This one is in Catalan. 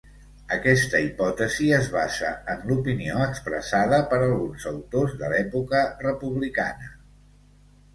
Aquesta hipòtesi es basa en l'opinió expressada per alguns autors de l'època republicana.